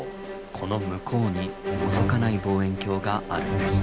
この向こうにのぞかない望遠鏡があるんです。